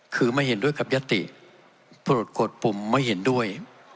คือไม่เห็นด้วยกับยติปรากฏกดปุ่มไม่เห็นด้วย